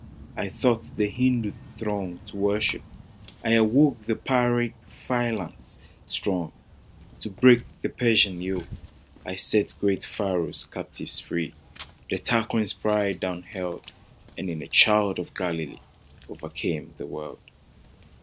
I taught the Hindoo throng To worship : I awoke The Pyrrhic phalanx strong. To break the Persian yoke : I set great Pharaoh's captives free, The Tarquin's pride down hurled, And in a child of Galilee, O'ercame the world